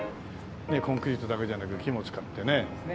コンクリートだけじゃなく木も使ってね。